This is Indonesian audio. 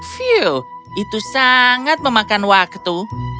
view itu sangat memakan waktu